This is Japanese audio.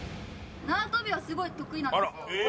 縄跳びはすごい得意なんですよ。